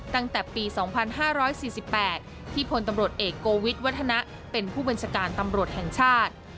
ตั้งแต่ปี๒๕๔๘ที่พลตำรวจเอกโกวิทวัฒนะเป็นผู้บัญชาการตำรวจแห่งชาติ